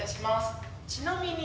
「ちなみに」